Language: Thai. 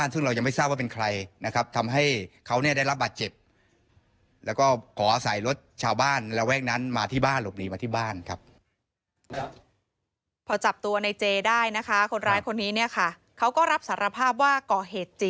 เข้าไปในพื้นที่รถมิสุวิ